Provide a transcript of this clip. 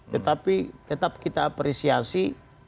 tetapi tetap kita apresiasi